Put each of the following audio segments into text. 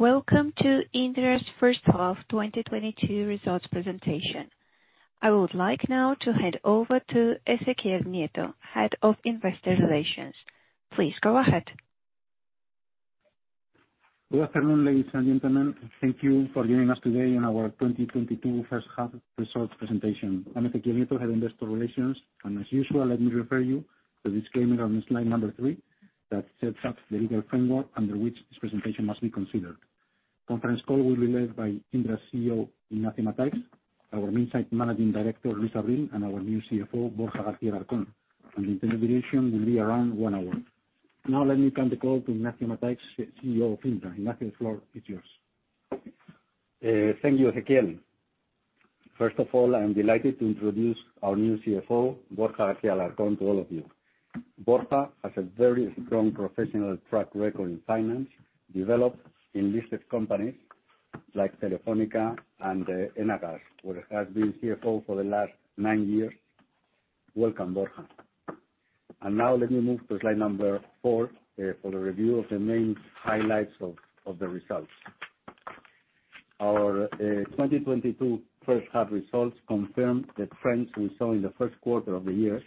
Welcome to Indra's first half 2022 results presentation. I would like now to hand over to Ezequiel Nieto, Head of Investor Relations. Please go ahead. Good afternoon, ladies and gentlemen. Thank you for joining us today in our 2022 first half results presentation. I'm Ezequiel Nieto, Head of Investor Relations, and as usual, let me refer you to disclaimer on slide number three that sets out the legal framework under which this presentation must be considered. Conference call will be led by Indra's CEO, Ignacio Mataix, our Minsait Managing Director, Luis Abril, and our new CFO, Borja García Alarcón, and the presentation will be around one hour. Now, let me hand the call to Ignacio Mataix, CEO of Indra. Ignacio, the floor is yours. Thank you, Ezequiel. First of all, I'm delighted to introduce our new CFO, Borja García Alarcón, to all of you. Borja has a very strong professional track record in finance, developed in listed companies like Telefónica and Aena, where he has been CFO for the last nine years. Welcome, Borja. Now let me move to slide number four for the review of the main highlights of the results. 2022 first half results confirm the trends we saw in the first quarter of the year,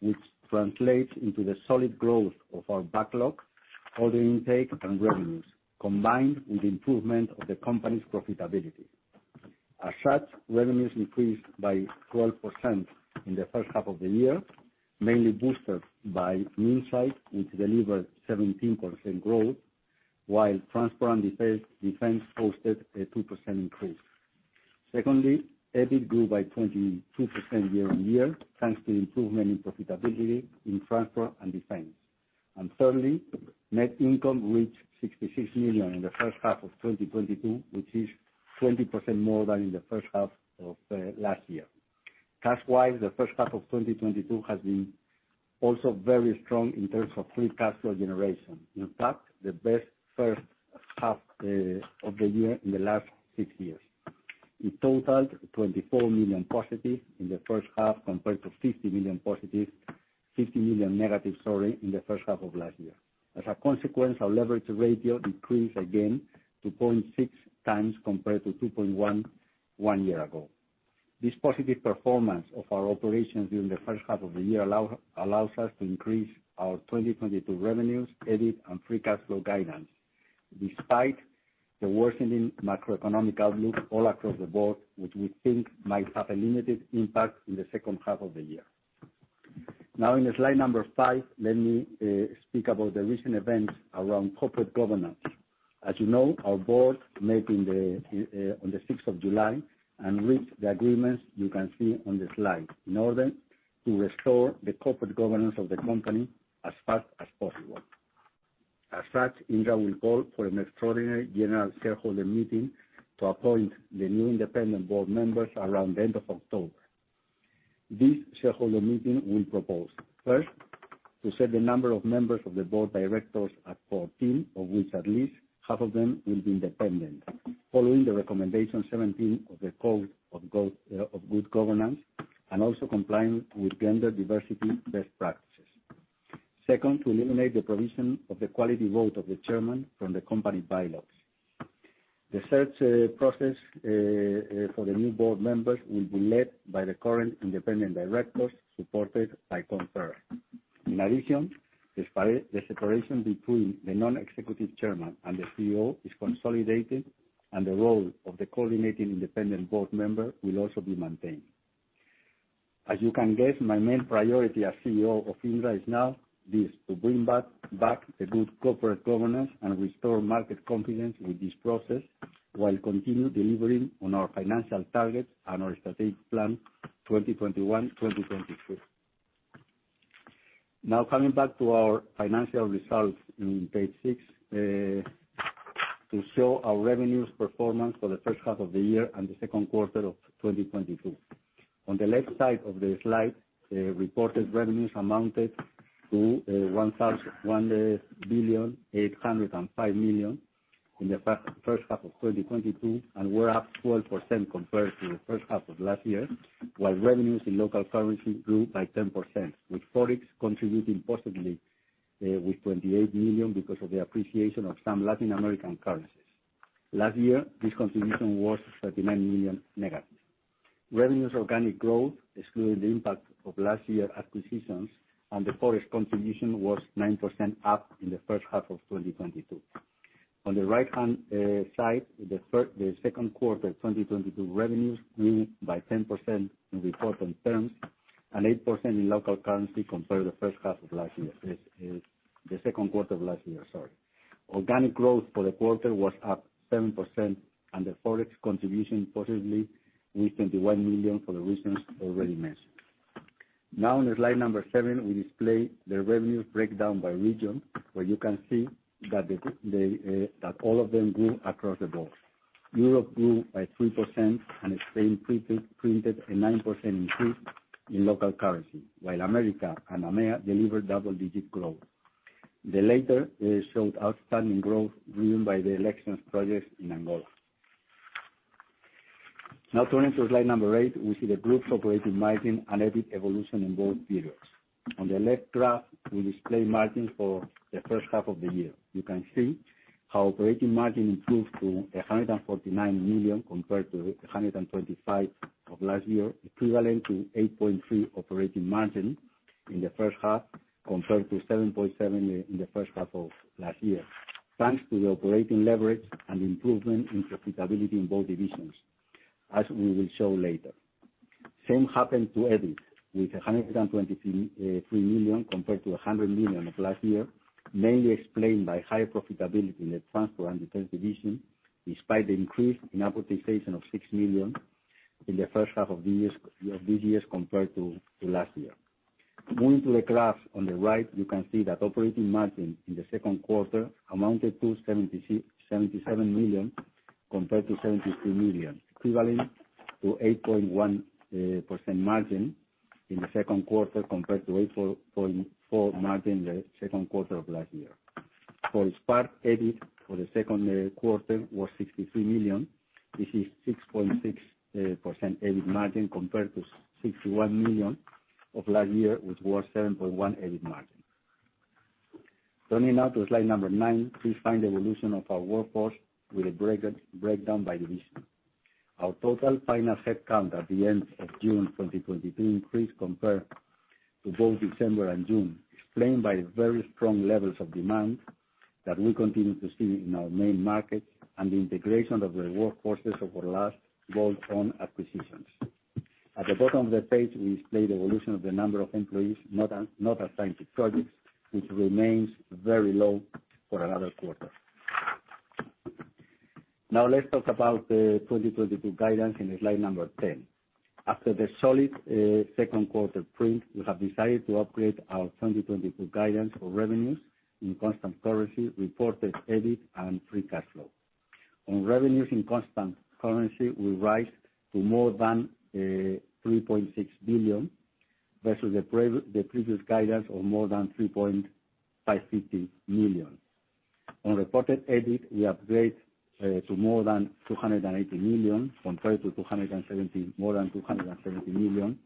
which translates into the solid growth of our backlog, order intake, and revenues, combined with improvement of the company's profitability. As such, revenues increased by 12% in the first half of the year, mainly boosted by Minsait, which delivered 17% growth, while Transport and Defense posted a 2% increase. Secondly, EBIT grew by 22% year-on-year, thanks to improvement in profitability in transport and defense. Thirdly, net income reached 66 million in the first half of 2022, which is 20% more than in the first half of last year. Cash-wise, the first half of 2022 has been also very strong in terms of free cash flow generation. In fact, the best first half of the year in the last six years. It totaled 24 million positive in the first half, compared to 50 million negative, sorry, in the first half of last year. As a consequence, our leverage ratio increased again to 0.6x compared to 2.1, one year ago. This positive performance of our operations during the first half of the year allows us to increase our 2022 revenues, EBIT, and free cash flow guidance, despite the worsening macroeconomic outlook all across the board, which we think might have a limited impact in the second half of the year. Now, in slide number five, let me speak about the recent events around corporate governance. As you know, our board met on the sixth of July and reached the agreements you can see on the slide in order to restore the corporate governance of the company as fast as possible. As such, Indra will call for an extraordinary general shareholder meeting to appoint the new independent board members around the end of October. This shareholder meeting will propose, first, to set the number of members of the board of directors at 14, of which at least half of them will be independent, following the Recommendation 17 of the Code of Good Governance, and also complying with gender diversity best practices. Second, to eliminate the provision of the quality vote of the chairman from the company bylaws. The search process for the new board members will be led by the current independent directors supported by Korn Ferry. In addition, the separation between the non-executive chairman and the CEO is consolidated, and the role of the coordinating independent board member will also be maintained. As you can guess, my main priority as CEO of Indra is now this, to bring back a good corporate governance and restore market confidence with this process while continue delivering on our financial targets and our strategic plan 2021, 2022. Now, coming back to our financial results in page six, to show our revenues performance for the first half of the year and the second quarter of 2022. On the left side of the slide, reported revenues amounted to 1,805 million in the first half of 2022, and we're up 12% compared to the first half of last year, while revenues in local currency grew by 10%, with ForEx contributing positively with 28 million because of the appreciation of some Latin American currencies. Last year, this contribution was 39 million negative. Revenues organic growth, excluding the impact of last year acquisitions and the ForEx contribution, was 9% up in the first half of 2022. On the right-hand side, the second quarter 2022 revenues grew by 10% in reported terms and 8% in local currency compared to the first half of last year. This is the second quarter of last year, sorry. Organic growth for the quarter was up 7%, and the ForEx contribution positively reached 21 million for the reasons already mentioned. Now, in slide number seven, we display the revenues breakdown by region, where you can see that all of them grew across the board. Europe grew by 3% and Spain printed a 9% increase in local currency, while America and EMEA delivered double-digit growth. The latter showed outstanding growth driven by the elections projects in Angola. Now turning to slide number 8, we see the group's operating margin and EBIT evolution in both periods. On the left graph, we display margin for the first half of the year. You can see how operating margin improved to 149 million compared to 125 million of last year, equivalent to 8.3% operating margin in the first half, compared to 7.7% in the first half of last year, thanks to the operating leverage and improvement in profitability in both divisions, as we will show later. Same happened to EBIT with 123.3 million compared to 100 million of last year, mainly explained by higher profitability in the transport and defense division, despite the increase in amortization of 6 million in the first half of this year compared to last year. Moving to the graphs on the right, you can see that operating margin in the second quarter amounted to 77 million compared to 73 million, equivalent to 8.1% margin in the second quarter compared to 8.4% margin in the second quarter of last year. For its part, EBIT for the second quarter was 63 million. This is 6.6% EBIT margin compared to 61 million of last year, which was 7.1% EBIT margin. Turning now to slide number nine, please find the evolution of our workforce with a breakdown by division. Our total final headcount at the end of June 2022 increased compared to both December and June, explained by very strong levels of demand that we continue to see in our main markets and the integration of the workforces of our last bolt-on acquisitions. At the bottom of the page, we display the evolution of the number of employees not assigned to projects, which remains very low for another quarter. Now let's talk about the 2022 guidance in slide number 10. After the solid second quarter print, we have decided to upgrade our 2022 guidance for revenues in constant currency, reported EBIT and free cash flow. On revenues in constant currency, we rise to more than 3.6 billion, versus the previous guidance of more than 3.5 billion. On reported EBIT, we upgrade to more than 280 million compared to more than 270 million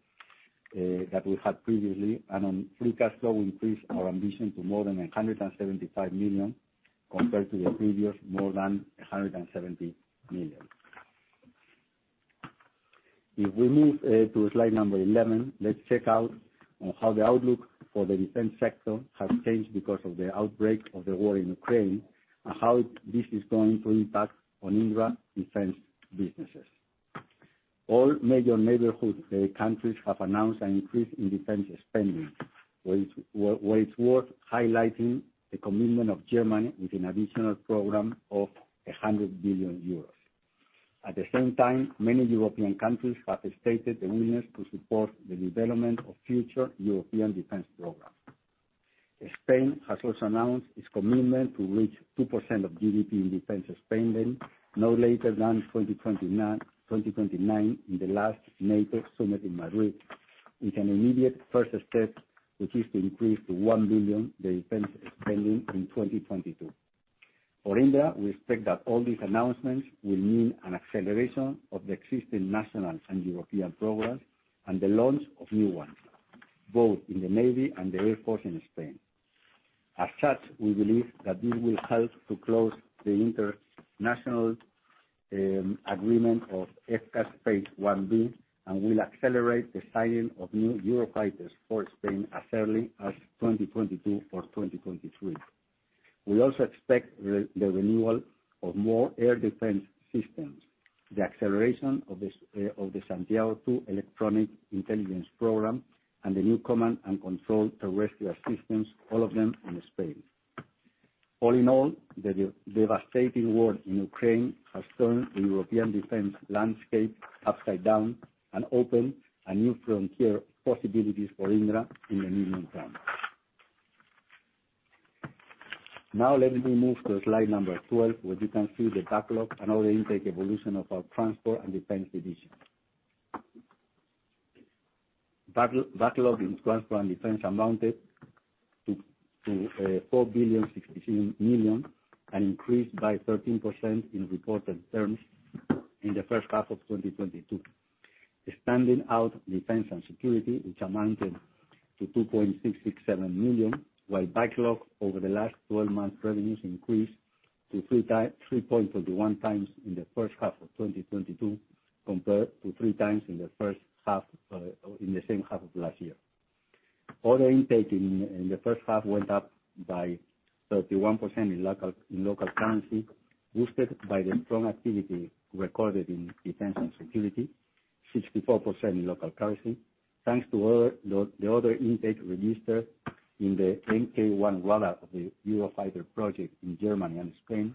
that we had previously. On free cash flow, we increase our ambition to more than 175 million compared to the previous more than 170 million. If we move to slide 11, let's check out how the outlook for the defense sector has changed because of the outbreak of the war in Ukraine, and how this is going to impact on Indra defense businesses. All major neighboring countries have announced an increase in defense spending, where it's worth highlighting the commitment of Germany with an additional program of 100 billion euros. At the same time, many European countries have stated their willingness to support the development of future European defense programs. Spain has also announced its commitment to reach 2% of GDP in defense spending no later than 2029 in the last NATO summit in Madrid. With an immediate first step, which is to increase to 1 billion the defense spending in 2022. For Indra, we expect that all these announcements will mean an acceleration of the existing national and European programs and the launch of new ones, both in the Navy and the Air Force in Spain. As such, we believe that this will help to close the international agreement of FCAS Phase 1B and will accelerate the signing of new Eurofighters for Spain as early as 2022 or 2023. We also expect the renewal of more air defense systems, the acceleration of the Santiago II electronic intelligence program, and the new command and control terrestrial systems, all of them in Spain. All in all, the devastating war in Ukraine has turned the European defense landscape upside down and opened a new frontier of possibilities for Indra in the medium term. Now let me move to slide number 12, where you can see the backlog and order intake evolution of our transport and defense divisions. Backlog in transport and defense amounted to EUR 4,066 million, an increase by 13% in reported terms in the first half of 2022. Standing out, defense and security, which amounted to 2.667 million, while backlog over the last 12 months revenues increased to 3.31x in the first half of 2022, compared to 3x in the first half in the same half of last year. Order intake in the first half went up by 31% in local currency, boosted by the strong activity recorded in defense and security, 64% in local currency, thanks to the order intake registered in the MK1 roll-out of the Eurofighter project in Germany and Spain,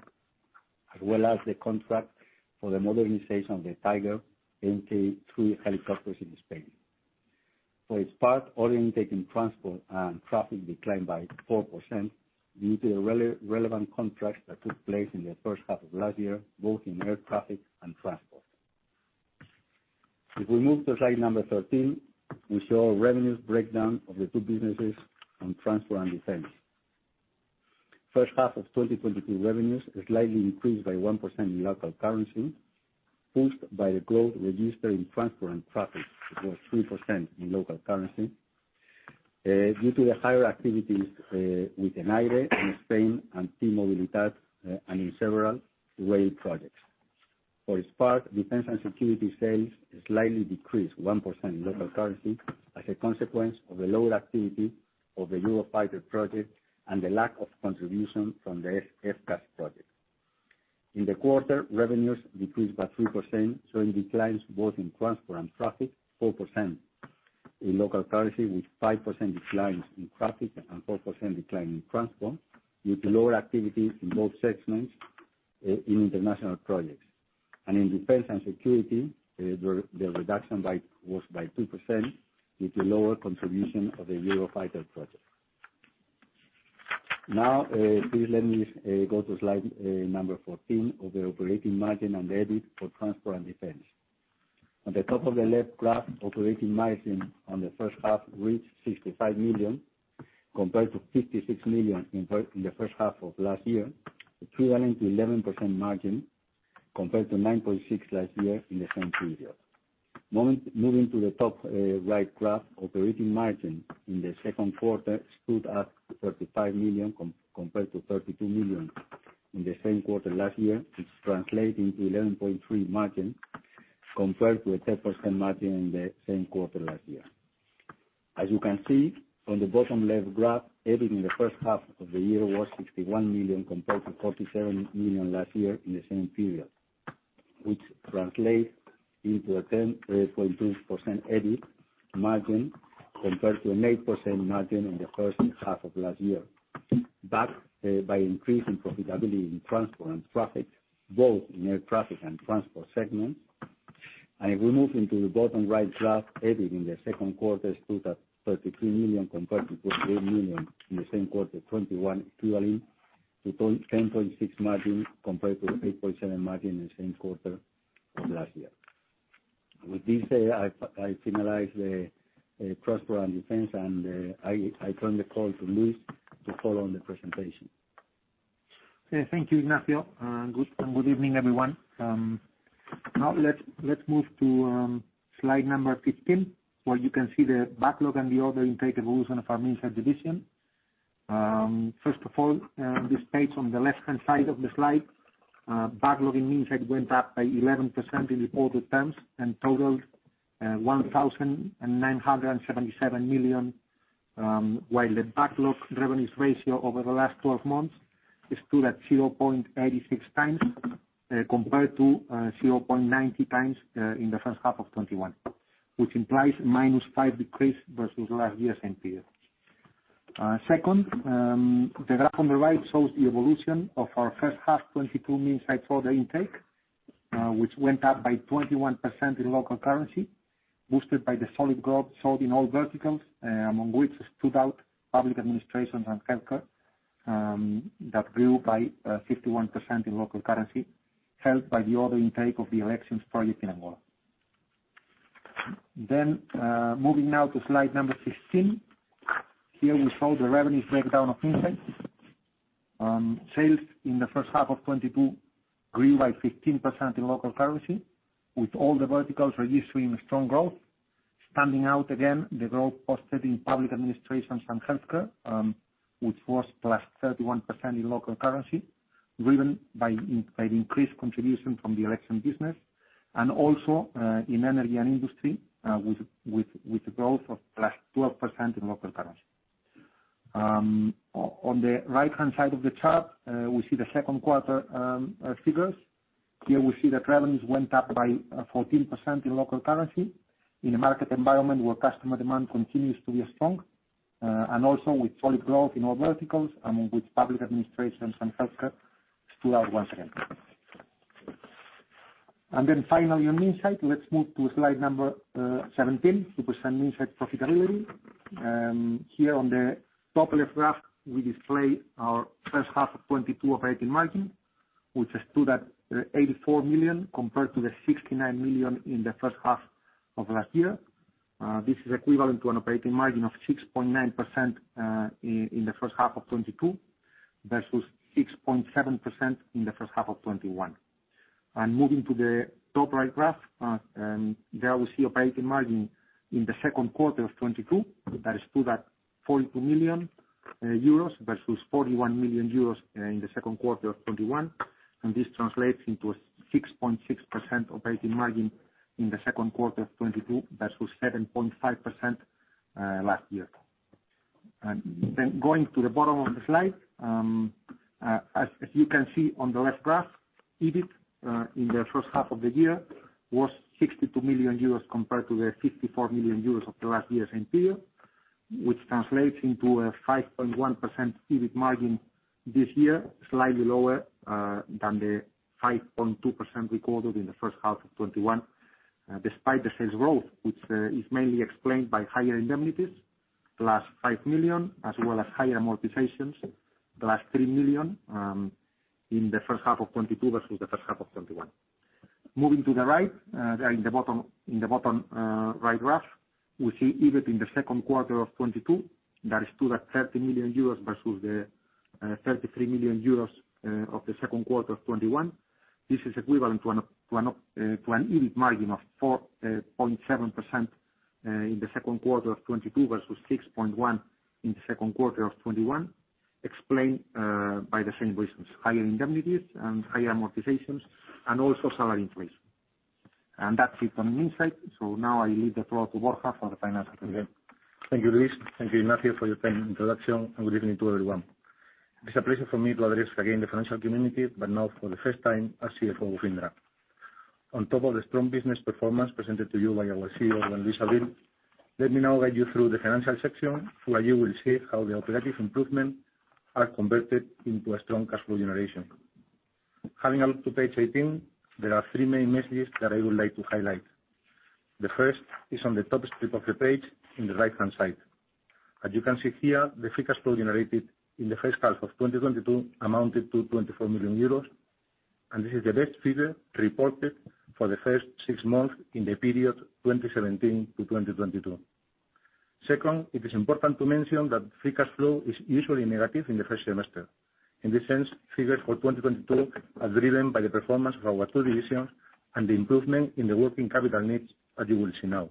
as well as the contract for the modernization of the Tiger MK3 helicopters in Spain. For its part, order intake in transport and traffic declined by 4% due to the relevant contracts that took place in the first half of last year, both in air traffic and transport. If we move to slide number 13, we show revenues breakdown of the two businesses on transport and defense. First half of 2022 revenues slightly increased by 1% in local currency, pushed by the growth registered in transport and traffic. It was 3% in local currency. Due to the higher activities with Enaire in Spain and T-Mobilitat, and in several rail projects. For its part, defense and security sales slightly decreased 1% in local currency as a consequence of the lower activity of the Eurofighter project and the lack of contribution from the FCAS project. In the quarter, revenues decreased by 3%, showing declines both in transport and traffic, 4% in local currency, with 5% declines in traffic and 4% decline in transport, due to lower activity in both segments in international projects. In defense and security, the reduction was by 2% due to lower contribution of the Eurofighter project. Now, please let me go to slide number 14 of the operating margin and EBIT for transport and defense. On the top of the left graph, operating margin on the first half reached 65 million compared to 56 million in the first half of last year, equivalent to 11% margin compared to 9.6% last year in the same period. Moving to the top right graph, operating margin in the second quarter stood at 35 million compared to 32 million in the same quarter last year, which translates into 11.3% margin compared to a 10% margin in the same quarter last year. As you can see from the bottom left graph, EBIT in the first half of the year was 61 million compared to 47 million last year in the same period, which translates into a 10.2% EBIT margin compared to an 8% margin in the first half of last year. Backed by increasing profitability in transport and traffic, both in air traffic and transport segment. If we move into the bottom right graph, EBIT in the second quarter stood at 33 million compared to 28 million in the same quarter 2021, equaling to 10.6% margin compared to an 8.7% margin in the same quarter from last year. With this, I finalize the transport and defense, and I turn the call to Luis to follow on the presentation. Okay. Thank you, Ignacio. Good evening, everyone. Now let's move to slide number 15, where you can see the backlog and the order intake evolution of our Minsait division. First of all, this page on the left-hand side of the slide, backlog in Minsait went up by 11% in reported terms and totaled 1,977 million, while the backlog revenues ratio over the last twelve months stood at 0.86 times, compared to 0.90 times in the first half of 2021, which implies a -5% decrease versus last year's same period. Second, the graph on the right shows the evolution of our first half 2022 Minsait order intake, which went up by 21% in local currency, boosted by the solid growth shown in all verticals, among which stood out public administrations and healthcare, that grew by 51% in local currency, helped by the order intake of the elections project in Angola. Moving now to slide number 16. Here we show the revenue breakdown of Minsait. Sales in the first half of 2022 grew by 15% in local currency, with all the verticals registering a strong growth. Standing out again, the growth posted in public administrations and healthcare, which was +31% in local currency, driven by the increased contribution from the election business and also in energy and industry with a growth of +12% in local currency. On the right-hand side of the chart, we see the second quarter figures. Here we see that revenues went up by 14% in local currency in a market environment where customer demand continues to be strong and also with solid growth in all verticals, among which public administrations and healthcare stood out once again. Then finally on Minsait, let's move to slide number 17, which was on Minsait profitability. Here on the top left graph, we display our first half of 2022 operating margin, which stood at 84 million compared to the 69 million in the first half of last year. This is equivalent to an operating margin of 6.9% in the first half of 2022 versus 6.7% in the first half of 2021. Moving to the top right graph, there we see operating margin in the second quarter of 2022 that stood at EUR 42 million versus 41 million euros in the second quarter of 2021, and this translates into a 6.6% operating margin in the second quarter of 2022 versus 7.5% last year. Going to the bottom of the slide, as you can see on the left graph, EBIT in the first half of the year was 62 million euros compared to the 54 million euros of last year's same period, which translates into a 5.1% EBIT margin this year, slightly lower than the 5.2% recorded in the first half of 2021, despite the sales growth, which is mainly explained by higher indemnities (+5 million), as well as higher amortizations (+3 million), in the first half of 2022 versus the first half of 2021. Moving to the right there in the bottom right graph, we see even in the second quarter of 2022, that is still at 30 million euros versus the 33 million euros of the second quarter of 2021. This is equivalent to an EBIT margin of 4.7% in the second quarter of 2022 versus 6.1% in the second quarter of 2021, explained by the same reasons, higher indemnities and higher amortizations, and also salary increase. That's it on Minsait. Now I leave the floor to Borja for the financial review. Thank you, Luis. Thank you, Ignacio Mataix, for your kind introduction, and good evening to everyone. It's a pleasure for me to address again the financial community, but now for the first time as CFO of Indra. On top of the strong business performance presented to you by our CEO, Luis Abril, let me now guide you through the financial section, where you will see how the operative improvement are converted into a strong cash flow generation. Having a look at page 18, there are three main messages that I would like to highlight. The first is on the top strip of the page in the right-hand side. As you can see here, the free cash flow generated in the first half of 2022 amounted to 24 million euros, and this is the best figure reported for the first six months in the period 2017 to 2022. Second, it is important to mention that free cash flow is usually negative in the first semester. In this sense, figures for 2022 are driven by the performance of our two divisions and the improvement in the working capital needs, as you will see now.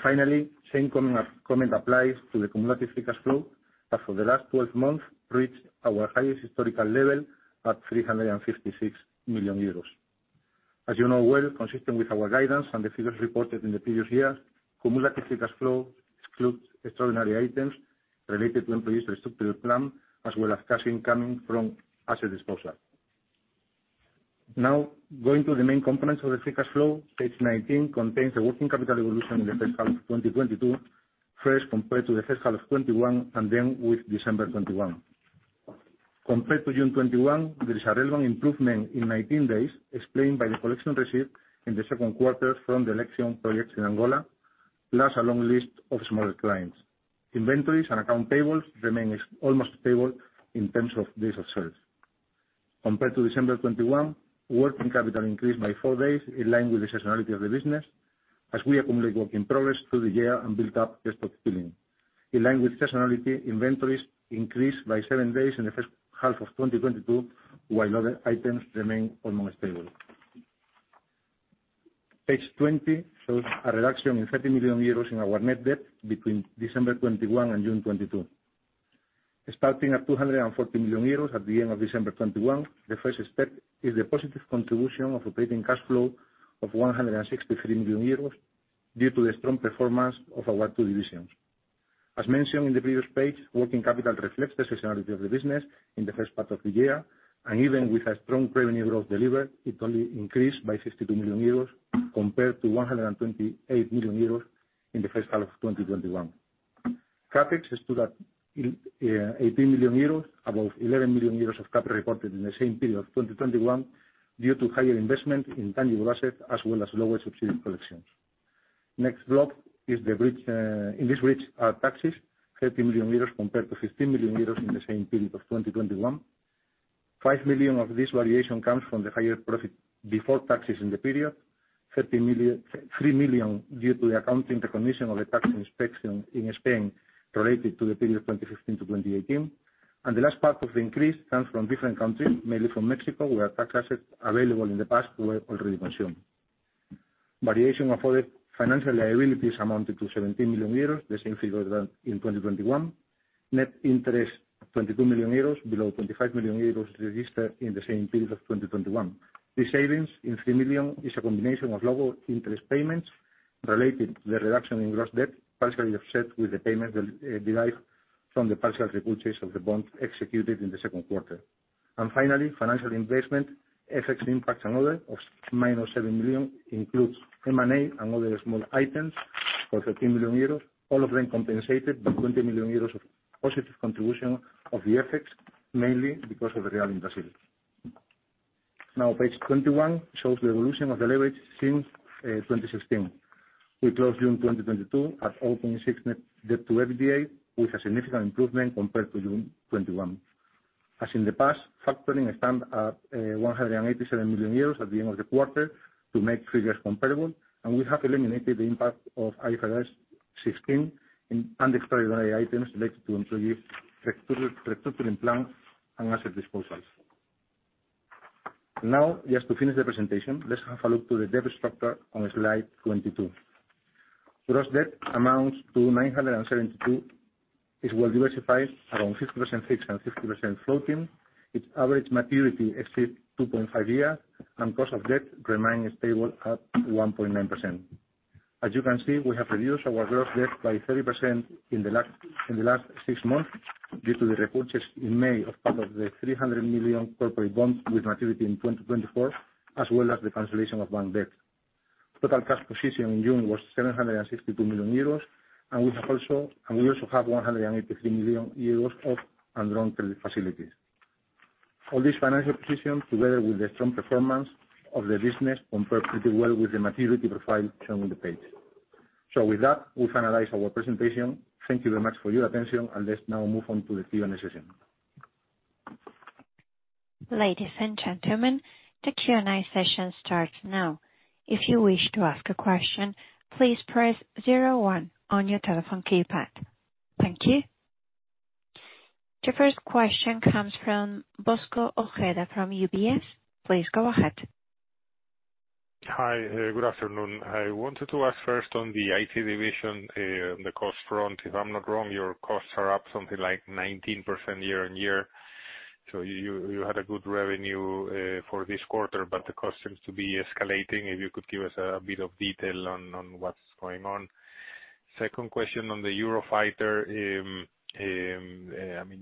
Finally, same comment applies to the cumulative free cash flow that for the last twelve months reached our highest historical level at 356 million euros. As you know well, consistent with our guidance and the figures reported in the previous years, cumulative free cash flow excludes extraordinary items related to employees' restructuring plan, as well as cash incoming from asset disposal. Now, going to the main components of the free cash flow, page 19 contains the working capital evolution in the first half of 2022, first compared to the first half of 2021, and then with December 2021. Compared to June 2021, there is a relevant improvement in 19 days explained by the collection received in the second quarter from the election projects in Angola, plus a long list of smaller clients. Inventories and account payables remain as almost stable in terms of days of sales. Compared to December 2021, working capital increased by four days in line with the seasonality of the business, as we accumulate work in progress through the year and build up stock filling. In line with seasonality, inventories increased by seven days in the first half of 2022, while other items remain almost stable. Page 20 shows a reduction in 30 million euros in our net debt between December 2021 and June 2022. Starting at 240 million euros at the end of December 2021, the first step is the positive contribution of operating cash flow of 163 million euros due to the strong performance of our two divisions. As mentioned in the previous page, working capital reflects the seasonality of the business in the first part of the year, and even with a strong revenue growth delivered, it only increased by 52 million euros compared to 128 million euros in the first half of 2021. CapEx stood at eighteen million euros, above eleven million euros of capital reported in the same period of 2021 due to higher investment in tangible assets as well as lower subsidy collections. Next block is the bridge, in this bridge are taxes, 30 million euros compared to 15 million euros in the same period of 2021. Five million of this variation comes from the higher profit before taxes in the period, three million due to the accounting recognition of the tax inspection in Spain related to the period 2015 to 2018. The last part of the increase comes from different countries, mainly from Mexico, where tax assets available in the past were already consumed. Variation of other financial liabilities amounted to 17 million euros, the same figure than in 2021. Net interest, 22 million euros, below 25 million euros registered in the same period of 2021. The savings in 3 million is a combination of lower interest payments related to the reduction in gross debt, partially offset with the payment derived from the partial repurchase of the bond executed in the second quarter. Finally, financial investment, FX impact and other of -7 million includes M&A and other small items for 13 million euros, all of them compensated by 20 million euros of positive contribution of the effects, mainly because of the real in Brazil. Now, page 21 shows the evolution of the leverage since 2016. We closed June 2022 at 0.6 net debt to EBITDA, with a significant improvement compared to June 2021. As in the past, factoring stands at 187 million euros at the end of the quarter to make figures comparable, and we have eliminated the impact of IFRS 16 and extraordinary items related to employee restructuring plans and asset disposals. Now, just to finish the presentation, let's have a look to the debt structure on slide 22. Gross debt amounts to 972 million. It's well diversified around 50% fixed and 50% floating. Its average maturity exceeds 2.5 years, and cost of debt remain stable at 1.9%. As you can see, we have reduced our gross debt by 30% in the last six months due to the repurchases in May of part of the 300 million corporate bonds with maturity in 2024, as well as the cancellation of bank debt. Total cash position in June was 762 million euros, and we also have 183 million euros of undrawn credit facilities. All this financial position, together with the strong performance of the business, compares pretty well with the maturity profile shown on the page. With that, we finalize our presentation. Thank you very much for your attention, and let's now move on to the Q&A session. Ladies and gentlemen, the Q&A session starts now. If you wish to ask a question, please press zero one on your telephone keypad. Thank you. The first question comes from Bosco Ojeda from UBS. Please go ahead. Hi. Good afternoon. I wanted to ask first on the IT division, on the cost front. If I'm not wrong, your costs are up something like 19% year-on-year. You had a good revenue for this quarter, but the cost seems to be escalating. If you could give us a bit of detail on what's going on. Second question on the Eurofighter. I mean,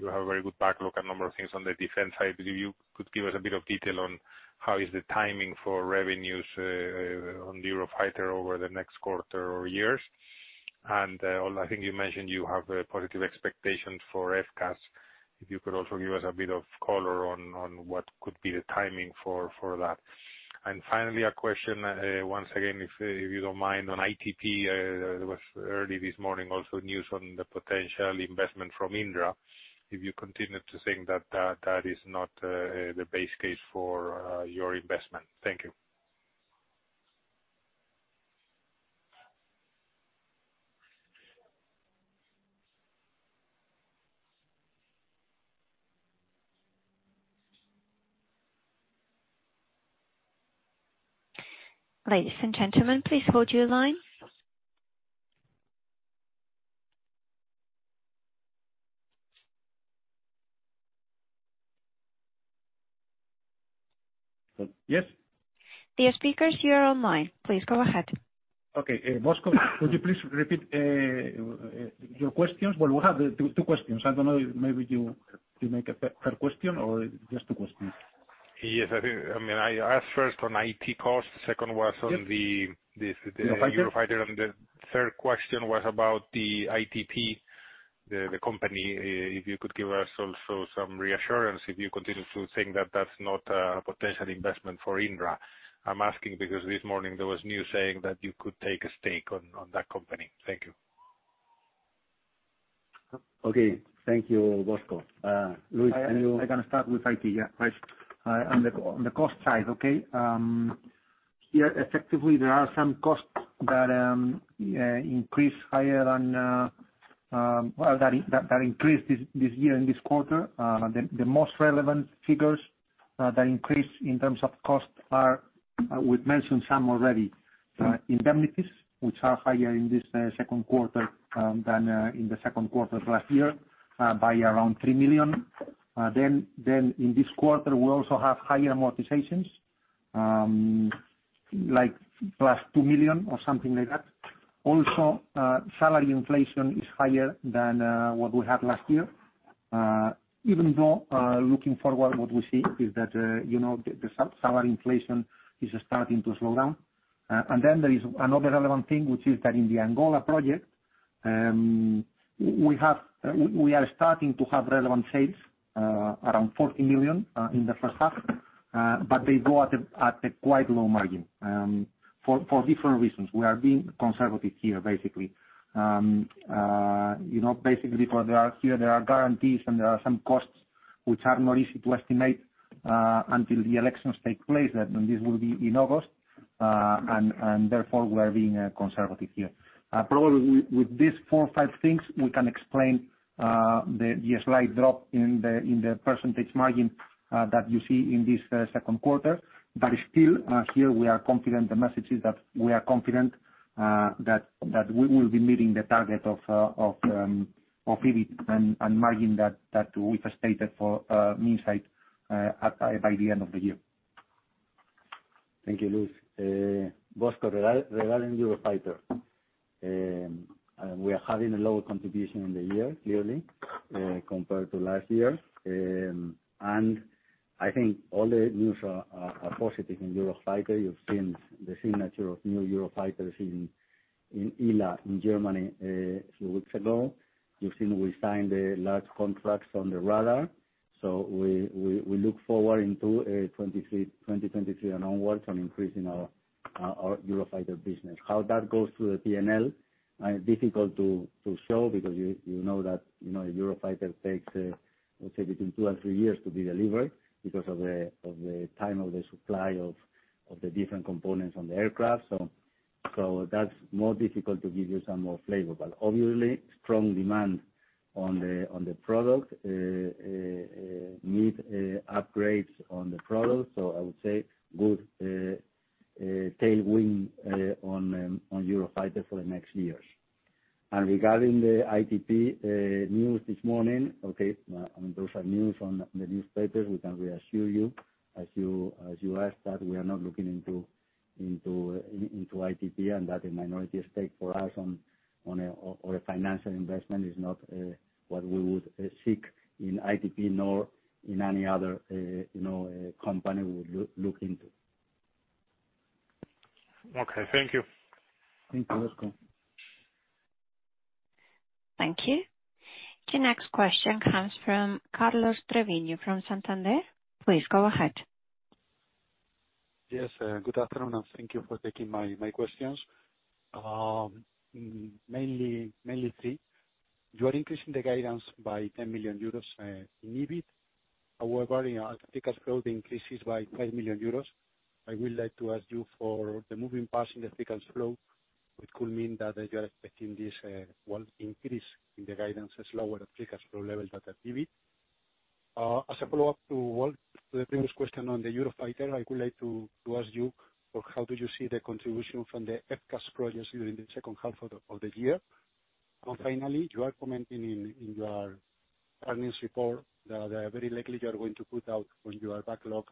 you have a very good backlog, a number of things on the defense side. If you could give us a bit of detail on how is the timing for revenues on the Eurofighter over the next quarter or years. I think you mentioned you have a positive expectation for FCAS. If you could also give us a bit of color on what could be the timing for that. Finally, a question, once again, if you don't mind, on ITP. There was early this morning also news on the potential investment from Indra. If you continue to think that is not the base case for your investment. Thank you. Ladies and gentlemen, please hold your line. Yes. Dear speakers, you are on line. Please go ahead. Okay. Bosco, could you please repeat your questions? Well, you have two questions. I don't know, maybe you make a third question or just two questions. Yes, I think. I mean, I asked first on IT costs. Second was on the Eurofighter. The third question was about the ITP Aero, the company, if you could give us also some reassurance, if you continue to think that that's not a potential investment for Indra. I'm asking because this morning there was news saying that you could take a stake on that company. Thank you. Okay. Thank you, Bosco. Luis, any- I'm gonna start with IT, yeah. On the cost side, okay, here effectively there are some costs that increase higher than well, that increased this year in this quarter. The most relevant figures that increased in terms of costs are, we've mentioned some already. Indemnities, which are higher in this second quarter than in the second quarter last year by around 3 million. Then in this quarter, we also have higher amortizations like plus 2 million or something like that. Also, salary inflation is higher than what we had last year. Even though looking forward, what we see is that you know, the salary inflation is starting to slow down. There is another relevant thing, which is that in the Angola project, we are starting to have relevant sales around 40 million in the first half, but they go at a quite low margin for different reasons. We are being conservative here, basically. You know, basically because there are guarantees and there are some costs which are not easy to estimate until the elections take place, and this will be in August. Therefore, we're being conservative here. Probably with these four or five things, we can explain the slight drop in the percentage margin that you see in this second quarter. Still, here we are confident. The message is that we are confident that we will be meeting the target of EBIT and margin that we've stated for Minsait by the end of the year. Thank you, Luis. Bosco, regarding Eurofighter. We are having a lower contribution in the year, clearly, compared to last year. I think all the news are positive in Eurofighter. You've seen the signature of new Eurofighters in ILA in Germany a few weeks ago. You've seen we signed large contracts on the radar. We look forward into 2023 and onwards on increasing our Eurofighter business. How that goes through the PNL, difficult to show because you know that, you know, a Eurofighter takes, let's say between two and three years to be delivered because of the time of the supply of the different components on the aircraft. That's more difficult to give you some more flavor. Obviously, strong demand on the product need upgrades on the product. I would say good tailwind on Eurofighter for the next years. Regarding the ITP news this morning, those are news in the newspapers. We can reassure you, as you asked, that we are not looking into ITP and that a minority stake for us or a financial investment is not what we would seek in ITP nor in any other you know company we would look into. Okay. Thank you. Thank you, Bosco. Thank you. The next question comes from Carlos Treviño from Santander. Please go ahead. Yes. Good afternoon, and thank you for taking my questions. Mainly three. You are increasing the guidance by 10 million euros in EBIT. However, your free cash flow increases by 5 million euros. I would like to ask you for the moving parts in the free cash flow, which could mean that you are expecting this will increase in the guidance as lower free cash flow level than the EBIT. As a follow-up to Bosco Ojeda, the previous question on the Eurofighter, I would like to ask you for how do you see the contribution from the FCAS projects during the second half of the year? Finally, you are commenting in your earnings report that very likely you are going to put out on your backlog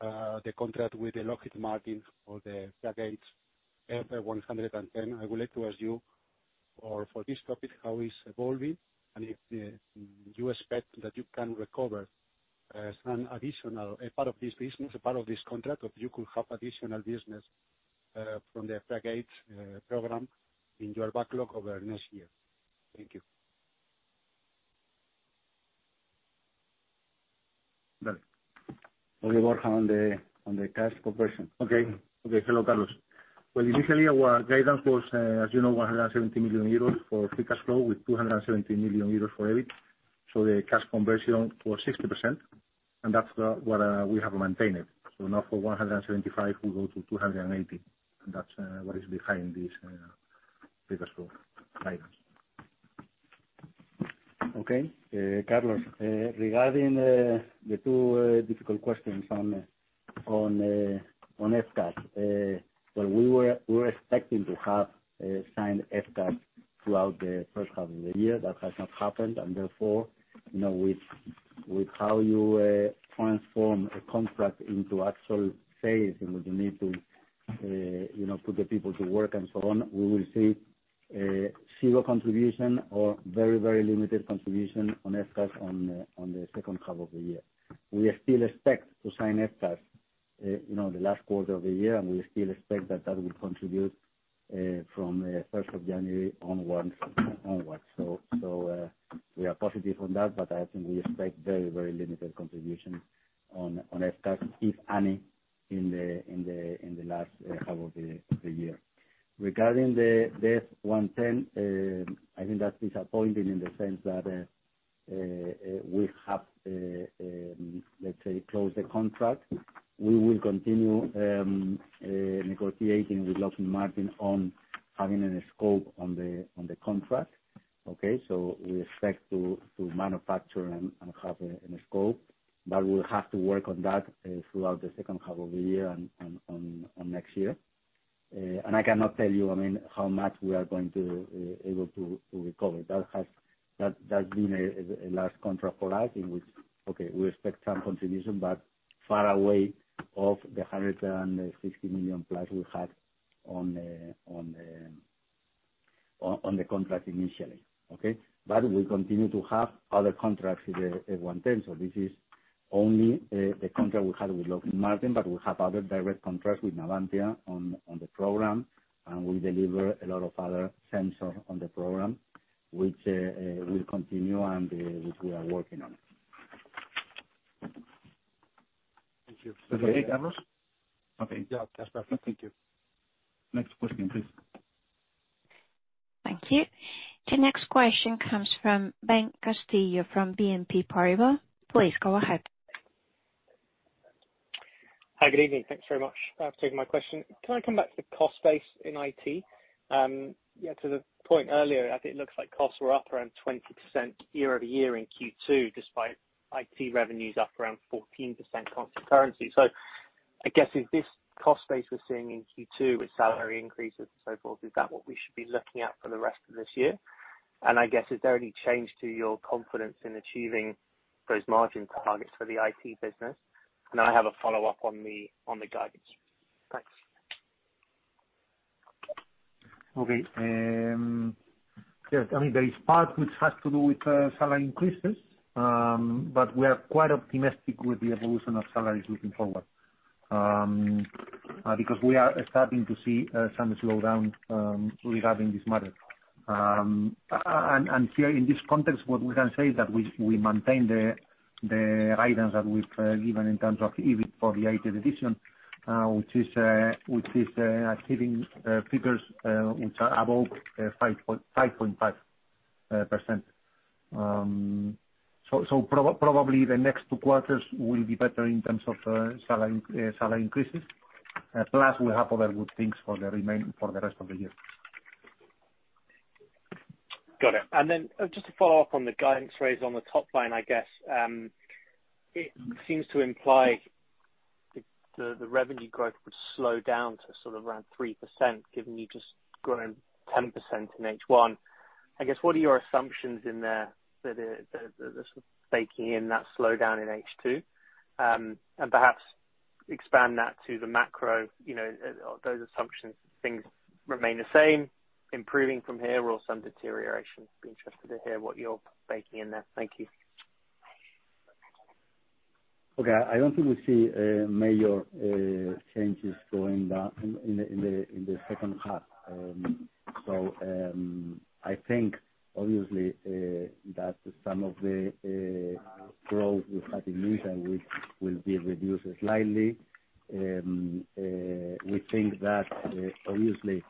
the contract with Lockheed Martin for the F-110. I would like to ask you for this topic, how is evolving and if you expect that you can recover some additional, a part of this business, a part of this contract, or you could have additional business from the F-110 program in your backlog over next year. Thank you. Well. Okay, Juan, on the cash conversion. Okay. Okay. Hello, Carlos Treviño. Well, initially our guidance was, as you know, 170 million euros for free cash flow with 270 million euros for EBIT. The cash conversion was 60%, and that's what we have maintained. Now for 175 million, we go to 280 million, and that's what is behind this free cash flow guidance. Okay. Carlos, regarding the two difficult questions on FCAS. Well, we were expecting to have signed FCAS throughout the first half of the year. That has not happened, and therefore, you know, with how you transform a contract into actual sales and what you need to, you know, put the people to work and so on, we will see zero contribution or very limited contribution on FCAS on the second half of the year. We still expect to sign FCAS, you know, the last quarter of the year, and we still expect that will contribute from first of January onwards. We are positive on that, but I think we expect very limited contribution on FCAS, if any, in the last half of the year. Regarding the F-110, I think that's disappointing in the sense that we have let's say closed the contract. We will continue negotiating with Lockheed Martin on having a scope on the contract. Okay. We expect to manufacture and have a scope, but we'll have to work on that throughout the second half of the year and on next year. I cannot tell you, I mean, how much we are going to able to recover. That's been a large contract for us in which we expect some contribution but far away from the 160 million plus we had on the contract initially. Okay? We continue to have other contracts with the F-110. This is only the contract we had with Lockheed Martin, but we have other direct contracts with Navantia on the program, and we deliver a lot of other sensors on the program, which will continue and which we are working on. Thank you. Okay. Carlos? Okay. Yeah. That's better. Thank you. Next question, please. Thank you. The next question comes from Beatriz Rodriguez from BNP Paribas. Please go ahead. Hi. Good evening. Thanks very much for taking my question. Can I come back to the cost base in IT? Yeah, to the point earlier, I think it looks like costs were up around 20% year-over-year in Q2, despite IT revenues up around 14% constant currency. I guess, if this cost base we're seeing in Q2 with salary increases and so forth, is that what we should be looking at for the rest of this year? I guess, is there any change to your confidence in achieving those margin targets for the IT business? I have a follow-up on the guidance. Thanks. Okay. Yes. I mean, there is part which has to do with salary increases, but we are quite optimistic with the evolution of salaries looking forward, because we are starting to see some slowdown regarding this matter. Here in this context, what we can say is that we maintain the guidance that we've given in terms of EBIT for the IT division, which is achieving figures which are above 5.5%. Probably the next two quarters will be better in terms of salary increases. Plus we have other good things for the rest of the year. Got it. Just to follow up on the guidance raise on the top line, I guess. It seems to imply the revenue growth would slow down to sort of around 3%, given you've just grown 10% in H1. I guess, what are your assumptions in there that are sort of baking in that slowdown in H2? Perhaps expand that to the macro, you know, those assumptions, things remain the same, improving from here or some deterioration. Be interested to hear what you're baking in there. Thank you. Okay. I don't think we'll see major changes going down in the second half. I think obviously that some of the growth we had in mid-term will be reduced slightly. We think that obviously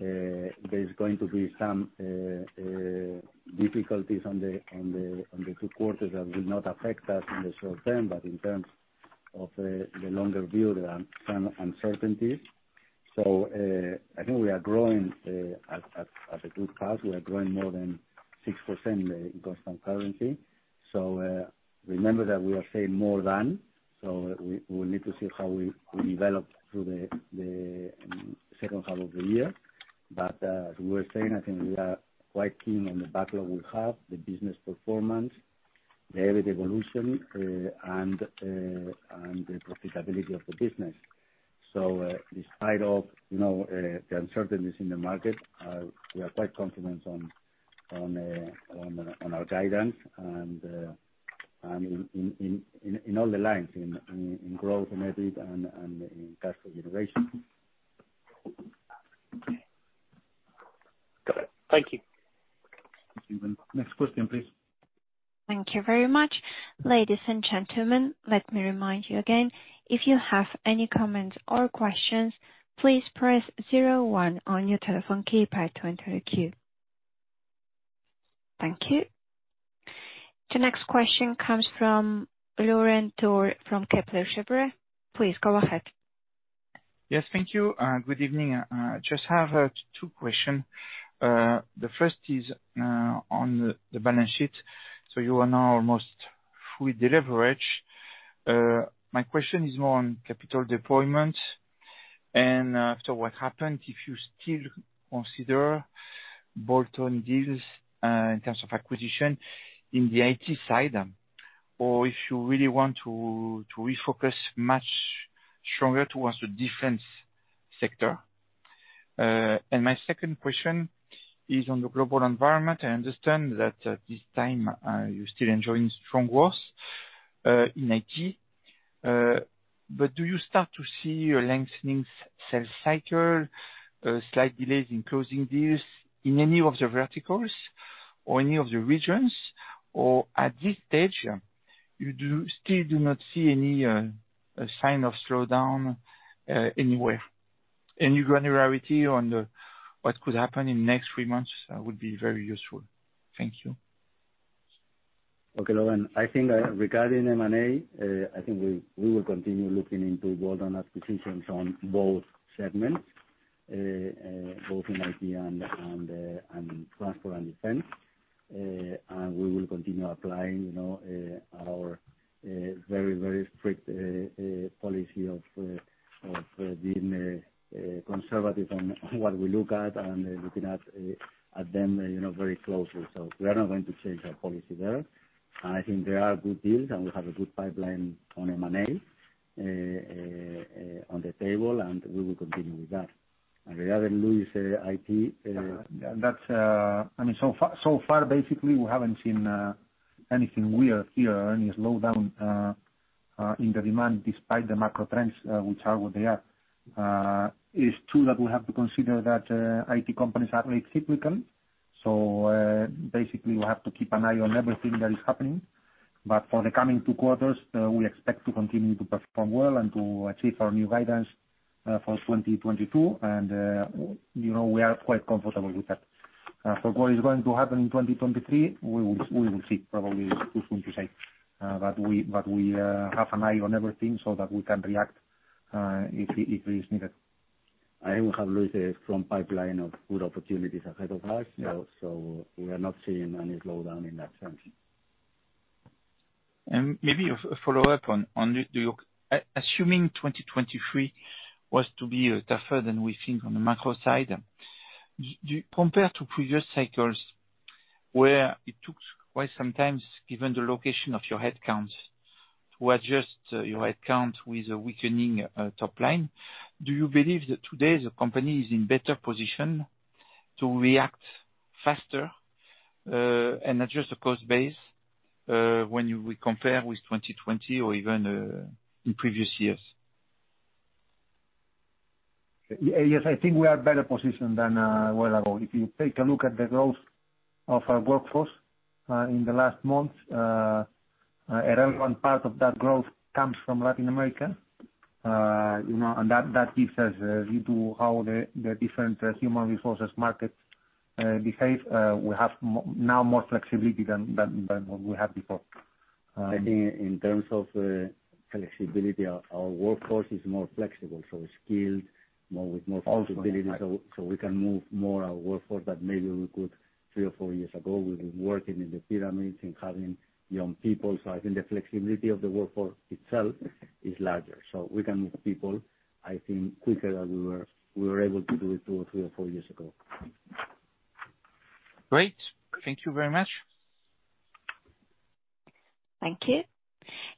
there's going to be some difficulties on the two quarters that will not affect us in the short term, but in terms of the longer view, there are some uncertainties. I think we are growing at a good path. We are growing more than 6% in constant currency. Remember that we are saying more than, so we need to see how we develop through the second half of the year. As we were saying, I think we are quite keen on the backlog we have, the business performance, the EBIT evolution, and the profitability of the business. Despite of, you know, the uncertainties in the market, we are quite confident on our guidance and in all the lines, in growth, in EBIT, and in cash flow generation. Got it. Thank you. Thank you. Next question, please. Thank you very much. Ladies and gentlemen, let me remind you again, if you have any comments or questions, please press zero one on your telephone keypad to enter the queue. Thank you. The next question comes from Laurent Daure from Kepler Cheuvreux. Please go ahead. Yes, thank you. Good evening. Just have two questions. The first is on the balance sheet. You are now almost fully leveraged. My question is more on capital deployment and so what happens if you still consider bolt-on deals in terms of acquisition in the IT side? Or if you really want to refocus much stronger towards the defense sector. My second question is on the global environment. I understand that at this time you're still enjoying strong growth in IT, but do you start to see a lengthening sales cycle, slight delays in closing deals in any of the verticals or any of the regions? Or at this stage, you still do not see any sign of slowdown anywhere? Any granularity on what could happen in next three months would be very useful. Thank you. Okay, Laurent. I think regarding M&A, I think we will continue looking into bolt-on acquisitions on both segments, both in IT and transport and defense. We will continue applying, you know, our very strict policy of being conservative on what we look at, and looking at them, you know, very closely. We are not going to change our policy there. I think there are good deals, and we have a good pipeline on M&A on the table, and we will continue with that. Regarding Luis, IT. I mean, so far basically we haven't seen anything weird here or any slowdown in the demand despite the macro trends, which are what they are. It's true that we have to consider that IT companies are late cyclical, so basically we have to keep an eye on everything that is happening. For the coming two quarters, we expect to continue to perform well and to achieve our new guidance for 2022, and you know, we are quite comfortable with that. For what is going to happen in 2023, we will see probably. It's too soon to say. We have an eye on everything so that we can react if it is needed. I think we have, Luis, a strong pipeline of good opportunities ahead of us. Yeah. We are not seeing any slowdown in that sense. Maybe a follow-up on this. Assuming 2023 was to be tougher than we think on the macro side, compared to previous cycles, where it took quite some time, given the location of your headcounts, to adjust your headcount with a weakening top line, do you believe that today the company is in better position to react faster and adjust the cost base when you will compare with 2020 or even in previous years? Yes, I think we are better positioned than a while ago. If you take a look at the growth of our workforce in the last months, a relevant part of that growth comes from Latin America. You know, and that gives us a view to how the different human resources markets behave. We have now more flexibility than what we had before. I think in terms of flexibility, our workforce is more flexible, so skilled, with more flexibility. Also- We can move more our workforce than maybe we could three or four years ago. We've been working in the pyramids, in having young people. I think the flexibility of the workforce itself is larger. We can move people, I think, quicker than we were able to do it two or three or four years ago. Great. Thank you very much. Thank you.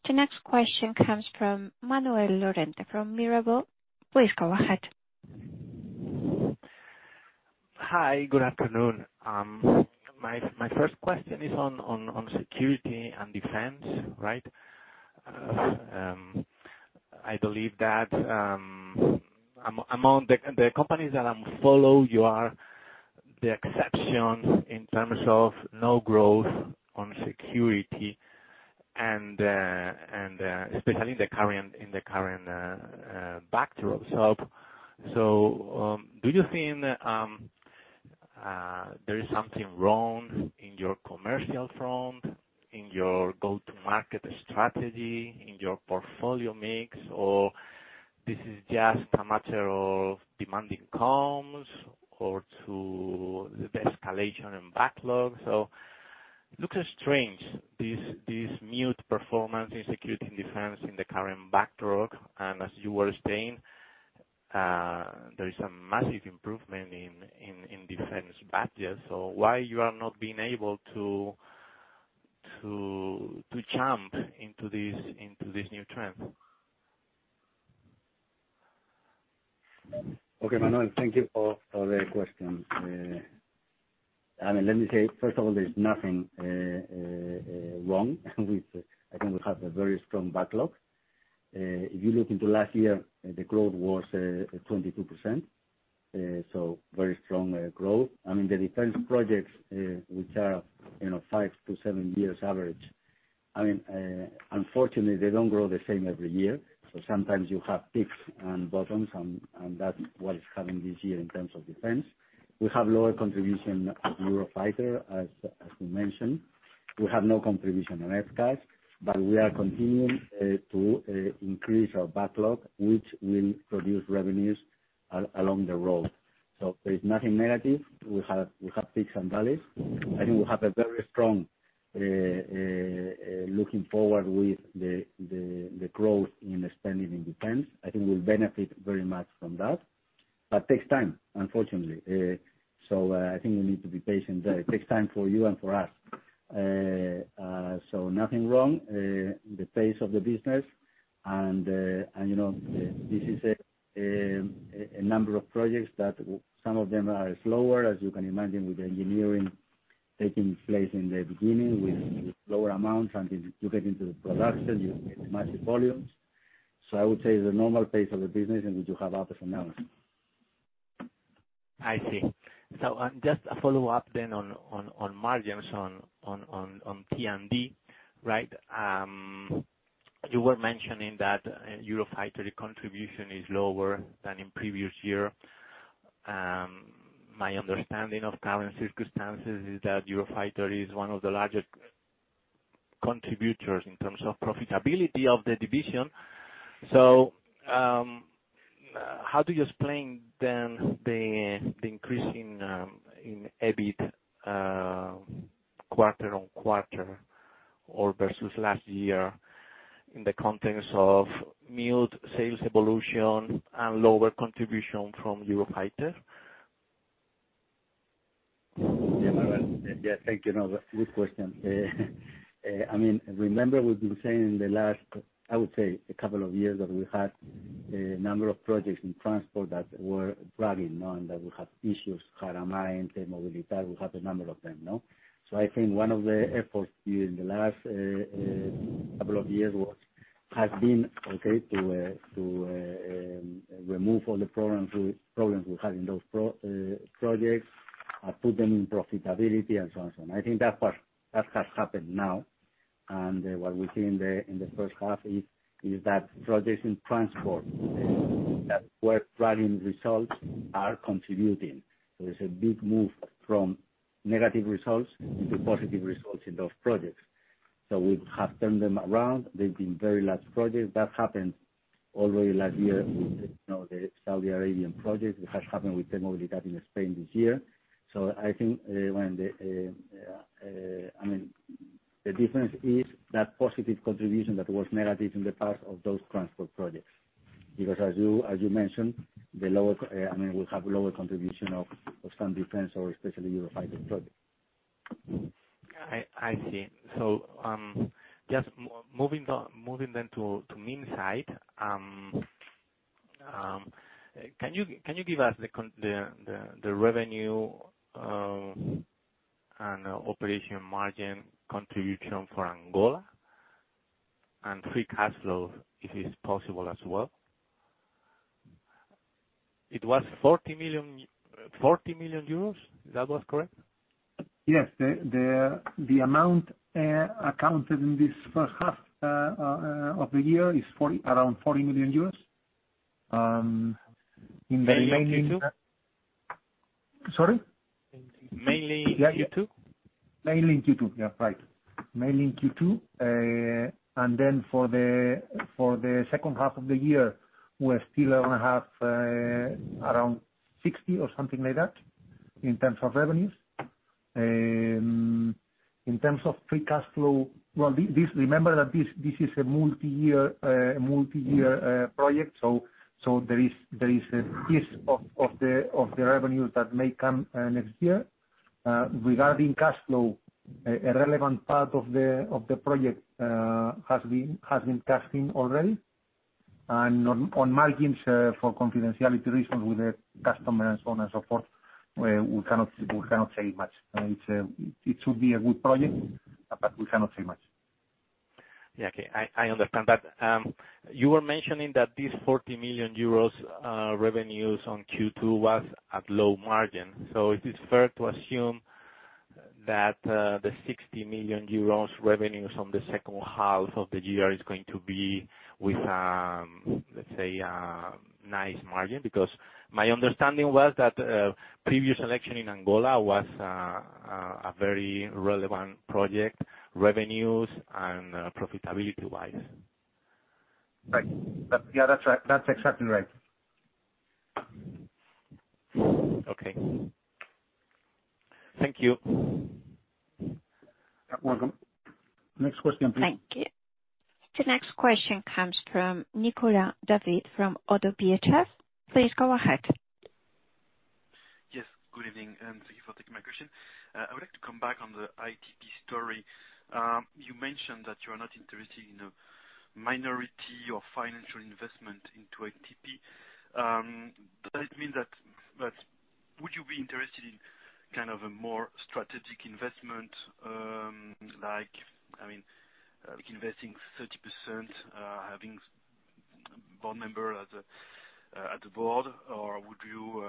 The next question comes from Manuel Lorente from Mirabaud. Please go ahead. Hi. Good afternoon. My first question is on security and defense, right? I believe that among the companies that I'm following, you are the exceptions in terms of no growth on security. And especially in the current backdrop. Do you think there is something wrong in your commercial front, in your go-to-market strategy, in your portfolio mix? Or this is just a matter of demand in comms or to the escalation and backlog? Looks strange, this muted performance in security and defense in the current backdrop. As you were saying, there is a massive improvement in defense budgets, so why you are not being able to jump into this new trend? Okay, Manuel, thank you for the question. I mean, let me say, first of all, I think we have a very strong backlog. If you look into last year, the growth was 22%, so very strong growth. I mean, the defense projects, which are, you know, five to seven years average, I mean, unfortunately, they don't grow the same every year, so sometimes you have peaks and bottoms, and that's what is happening this year in terms of defense. We have lower contribution of Eurofighter, as we mentioned. We have no contribution on FCAS, but we are continuing to increase our backlog, which will produce revenues along the road. So there is nothing negative. We have peaks and valleys. I think we have a very strong looking forward with the growth in spending in defense. I think we'll benefit very much from that, but it takes time, unfortunately. I think we need to be patient. It takes time for you and for us. Nothing wrong with the pace of the business and, you know, this is a number of projects that some of them are slower, as you can imagine, with engineering taking place in the beginning with lower amounts. If you get into the production, you get massive volumes. I would say the normal pace of the business and we do have other financing. I see. Just a follow-up then on margins on T&D, right? You were mentioning that Eurofighter contribution is lower than in previous year. My understanding of current circumstances is that Eurofighter is one of the largest contributors in terms of profitability of the division. How do you explain then the increase in EBIT quarter-on-quarter or versus last year in the context of muted sales evolution and lower contribution from Eurofighter? Yeah, Manuel. Yes, thank you. No, good question. I mean, remember we've been saying the last, I would say a couple of years, that we had a number of projects in transport that were dragging, no? And that we have issues. Mm-hmm. Haramain and T-Mobilitat, we have a number of them, no? I think one of the efforts during the last couple of years has been to remove all the problems we had in those projects, put them in profitability and so on and so on. I think that's what has happened now. What we see in the first half is that projects in transport that were dragging results are contributing. There is a big move from negative results into positive results in those projects. We have turned them around. They've been very large projects. That happened already last year with, you know, the Saudi Arabian project. It has happened with T-Mobilitat in Spain this year. I think the difference is that positive contribution that was negative in the past of those transport projects. Because as you mentioned, I mean, we have lower contribution of some defense or especially Eurofighter project. I see. Just moving on to Minsait. Can you give us the revenue and operating margin contribution for Angola? Free cash flow, if it is possible as well. It was 40 million euros. That was correct? Yes. The amount of the year is around 40 million euros. Mainly in Q2? Sorry? Mainly in Q2. Mainly in Q2. For the second half of the year, we're still gonna have around 60 or something like that in terms of revenues. In terms of free cash flow, remember that this is a multi-year project. There is a piece of the revenues that may come next year. Regarding cash flow, a relevant part of the project has been cashed in already. On margins, for confidentiality reasons with the customer and so on and so forth, we cannot say much. It should be a good project, but we cannot say much. I understand that. You were mentioning that these 40 million euros revenues on Q2 was at low margin. Is it fair to assume that the 60 million euros revenues from the second half of the year is going to be with, let's say, a nice margin. Because my understanding was that previous allocation in Angola was a very relevant project, revenues and profitability-wise. Right. Yeah. That's right. That's exactly right. Okay. Thank you. You are welcome. Next question, please. Thank you. The next question comes from Nicolas David from Oddo BHF. Please go ahead. Yes, good evening, and thank you for taking my question. I would like to come back on the ITP story. You mentioned that you are not interested in a minority or financial investment into ITP. Does it mean that... Would you be interested in kind of a more strategic investment, like, I mean, like investing 30%, having board member at the board? Or would you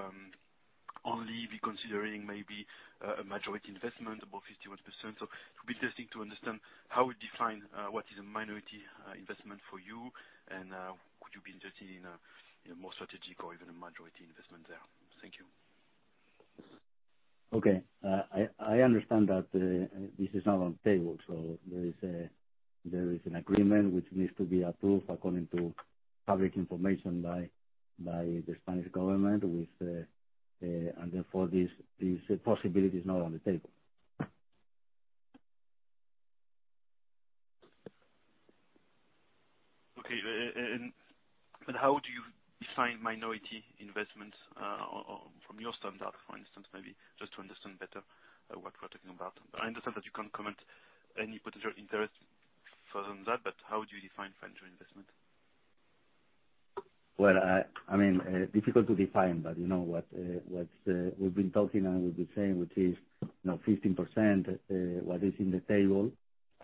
only be considering maybe a majority investment, above 51%? It would be interesting to understand how we define what is a minority investment for you and could you be interested in a more strategic or even a majority investment there? Thank you. Okay. I understand that this is not on the table, so there is an agreement which needs to be approved according to public information by the Spanish government. Therefore, this possibility is not on the table. Okay. How would you define minority investments from your standard, for instance, maybe just to understand better, what we're talking about? I understand that you can't comment any potential interest further than that, but how would you define financial investment? Well, I mean, difficult to define, but you know, what we've been talking and we've been saying, which is, you know, 15%, what is in the table.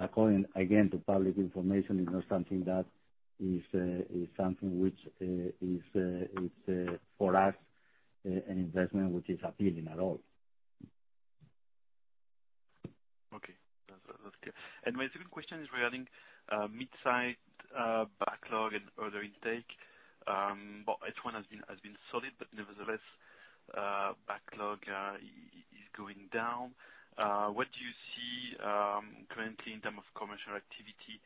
According again to public information, is not something that is something which is for us an investment which is appealing at all. Okay. That's clear. My second question is regarding Minsait's backlog and order intake. Well, H1 has been solid, but nevertheless, backlog is going down. What do you see currently in terms of commercial activity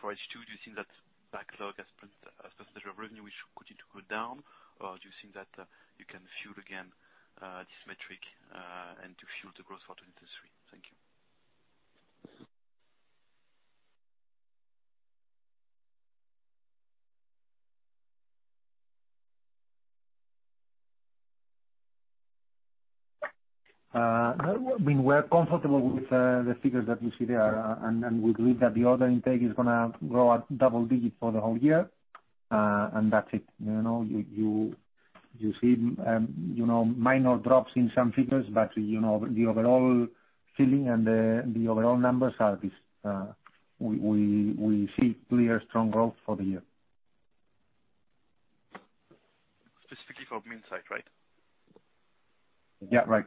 for H2? Do you think that backlog has bottomed out substantial revenue which continue to go down? Or do you think that you can fuel again this metric and to fuel the growth for 2023? Thank you. I mean, we're comfortable with the figures that you see there, and we believe that the order intake is gonna grow at double digits for the whole year, and that's it. You know, you see, you know, minor drops in some figures, but you know, the overall feeling and the overall numbers are these. We see clear strong growth for the year. Specifically for Minsait, right? Yeah. Right.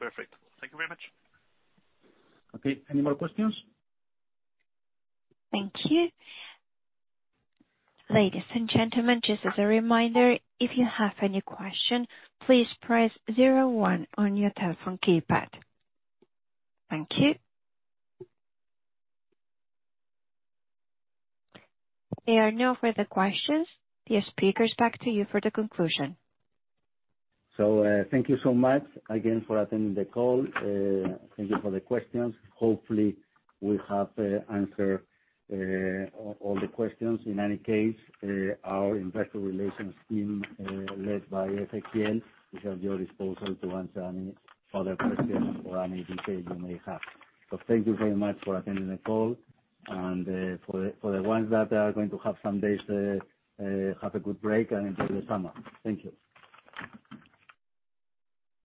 Yeah. Perfect. Thank you very much. Okay. Any more questions? Thank you. Ladies and gentlemen, just as a reminder, if you have any question, please press zero one on your telephone keypad. Thank you. There are no further questions. Dear speakers, back to you for the conclusion. Thank you so much again for attending the call. Thank you for the questions. Hopefully, we have answered all the questions. In any case, our investor relations team, led by Ezequiel Nieto, is at your disposal to answer any further questions or any detail you may have. Thank you very much for attending the call, and for the ones that are going to have some days, have a good break and enjoy the summer. Thank you.